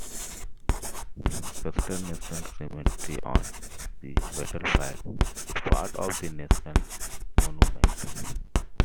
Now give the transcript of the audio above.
Custer National Cemetery, on the battlefield, is part of the national monument.